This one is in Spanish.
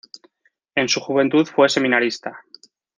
En su juventud fue seminarista.